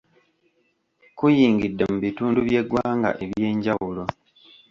Kuyingidde mu bitundu by’eggwanga ebyenjawulo.